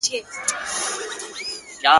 ما منلی پر ځان حکم د سنګسار دی,